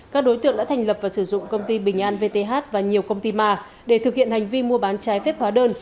các đối tượng đã thành lập và sử dụng công ty bình an vth và nhiều công ty ma để thực hiện hành vi mua bán trái phép hóa đơn